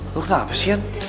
lo kenapa sih yan